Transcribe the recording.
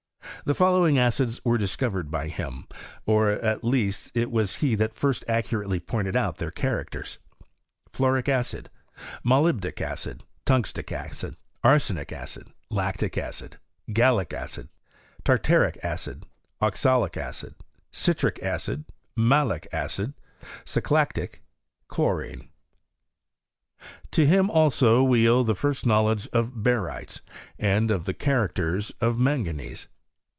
The following acids were discovered by him ; or, at least, it iwis he that first accurately pointed out their characters : Fluoric acid Molybdic acid Tungstic acid Lactic acid Gallic acid To him, also. Tartaric acid Oxalic acid Citric acid Malic acid Saclactic Chlorine, the first knowledge of barytes, e characters of manganese.